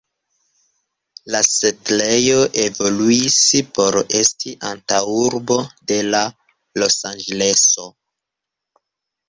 La setlejo evoluis por esti antaŭurbo de Los-Anĝeleso.